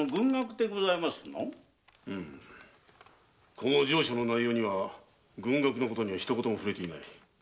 この上書の内容には軍学のことは一言も触れていない。